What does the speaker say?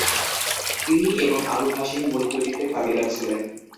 তিনি এবং আবুল হাশিম মূল কৃতিত্বের দাবিদার ছিলেন।